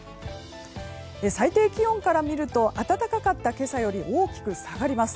最低気温から見ると暖かかった今朝より下がります。